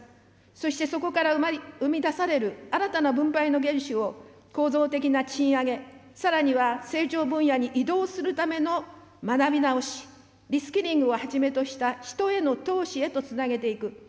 そして、そこから生み出される新たな分配の原資を構造的な賃上げ、さらには成長分野に移動するための学び直し、リスキリングをはじめとした人への投資へとつなげていく。